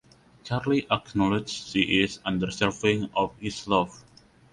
Charli acknowledges she is undeserving of his love.